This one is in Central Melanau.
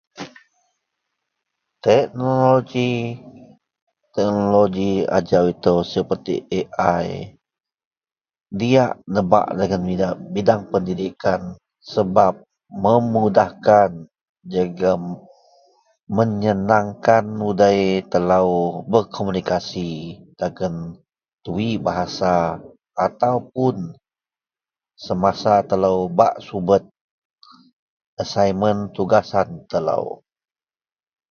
Teknoloji, teknoloji ajau itou seperti AI, diyak nebak dagen bidang pendidikan sebap memudahkan jegem menyenangkan udei telou berkomunikasi dagen dwibahasa ataupuun semasa telou bak subet asaimen tugasan telou